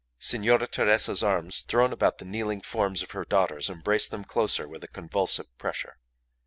Signora Teresa's arms thrown about the kneeling forms of her daughters embraced them closer with a convulsive pressure.